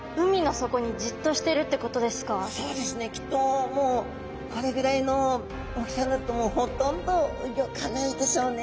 そうですねきっともうこれぐらいの大きさになるともうほとんどうギョかないでしょうね。